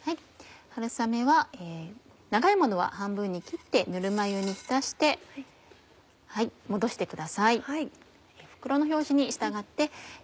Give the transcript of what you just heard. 春雨は長いものは半分に切ってぬるま湯に浸してもどしてください。